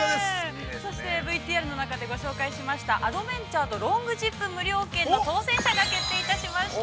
ＶＴＲ中で紹介しました「アドベンチャーとロングジップ無料券」の当選者が決定いたしました。